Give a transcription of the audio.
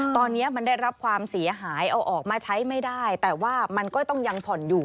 ตอนนี้มันได้รับความเสียหายเอาออกมาใช้ไม่ได้แต่ว่ามันก็ต้องยังผ่อนอยู่